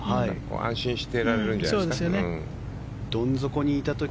安心していられるんじゃないですか。